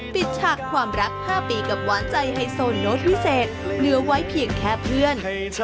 ฉากความรัก๕ปีกับหวานใจไฮโซโน้ตวิเศษเหลือไว้เพียงแค่เพื่อน